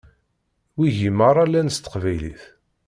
Wigi meṛṛa llan s teqbaylit.